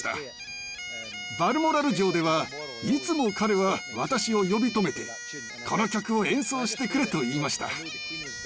バルモラル城ではいつも彼は私を呼び止めて「この曲を演奏してくれ」と言いました。